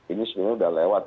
ini sebenarnya udah lewat